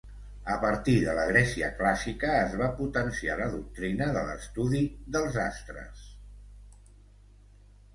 A partir de la Grècia clàssica es va potenciar la doctrina de l'estudi dels astres.